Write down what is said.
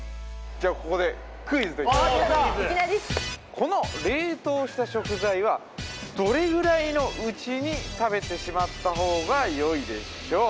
この冷凍した食材はどれぐらいのうちに食べてしまった方がよいでしょう？